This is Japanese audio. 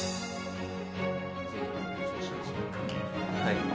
・はい。